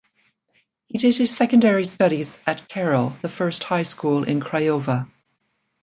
He did his secondary studies at Carol the First High School in Craiova.